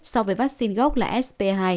so với vaccine gốc là sp hai